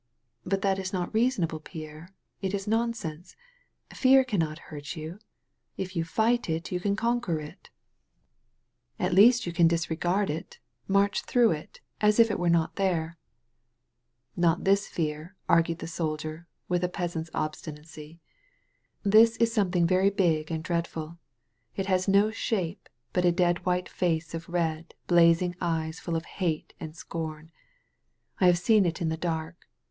"But that is not reasonable, Pierre. It is nonsense. Fear can* not hurt you. If you fight it you can conquer it. 115 THE VALLEY OF VISION At least you can disiegaid it» maich through it, as if it were not there/' *'Not this fear," argued the soldier, with a peas ant's obstinacy. *'This is something very big and dreadful. It has no shape, but a dead white face and red, blazing ^es full of hate and scorn. I have seen it in the dark.